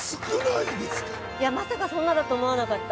いやまさかそんなだと思わなかった。